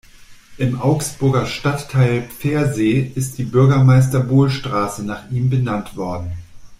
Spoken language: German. Im Augsburger Stadtteil Pfersee ist die Bürgermeister-Bohl-Straße nach ihm benannt worden.